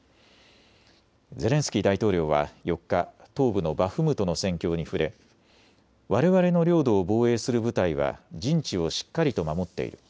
ゼレンスキー大統領は４日、東部のバフムトの戦況に触れわれわれの領土を防衛する部隊は陣地をしっかりと守っている。